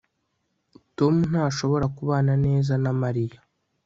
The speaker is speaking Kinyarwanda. tom ntashobora kubana neza na mariya